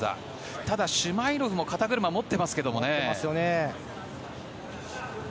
ただ、シュマイロフも肩車を持っています。